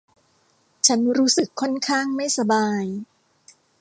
ฉันรู้สึกค่อนข้างไม่สบาย